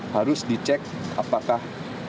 harus dicek apakah